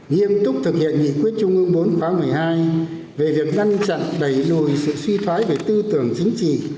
nghiêm túc thực hiện nghị quyết trung ương bốn khóa một mươi hai về việc ngăn chặn đẩy lùi sự suy thoái về tư tưởng chính trị